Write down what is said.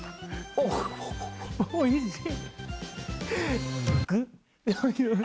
おいしい！